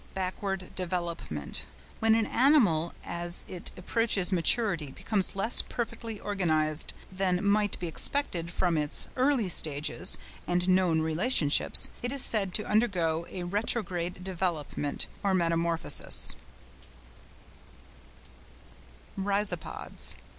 —Backward development. When an animal, as it approaches maturity, becomes less perfectly organised than might be expected from its early stages and known relationships, it is said to undergo a retrogade development or metamorphosis. RHIZOPODS.